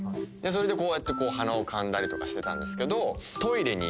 それでこうやってはなをかんだりとかしてたんですけど。